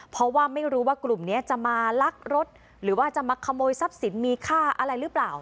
เพราะว่าไม่รู้ว่ากลุ่มนี้จะมาลักรถหรือว่าจะมาขโมยทรัพย์สินมีค่าอะไรหรือเปล่า